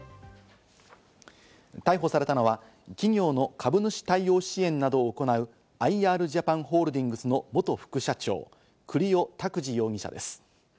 逮捕されたのは企業の株主対応支援などを行うアイ・アールジャパンホールディングスの元副社長、栗尾拓滋容疑者です。